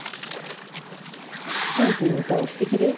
陽樹の歌はすてきだよ。